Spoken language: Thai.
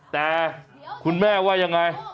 แต่คุณแม่ว่ายังไง